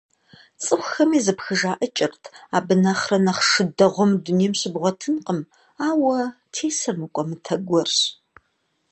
ЦӀыхухэми зэпхыжаӀыкӀырт: «Абы нэхърэ нэхъ шы дэгъуэ мы куейм щыбгъуэтынкъым, ауэ тесыр мыкӀуэмытэ гуэрщ».